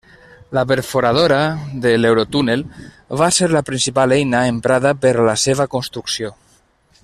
La perforadora de l'Eurotúnel va ser la principal eina emprada per a la seva construcció.